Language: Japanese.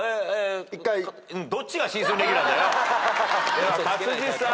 では勝地さん。